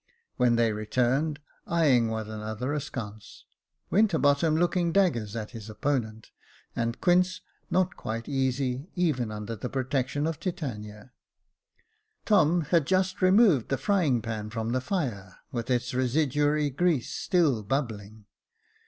When they returned, eyeing one another askance, Winterbottom looking daggers at his opponent, and Quince not quite easy, even under the protection of Titania, Tom had just removed the frying pan from the fire, with its residuary grease still bubbling.